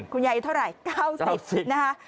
คุณยายอยู่เท่าไหร่๙๐นะคะ